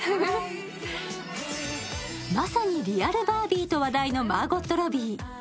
まさにリアルバービーと話題のマーゴット・ロビー。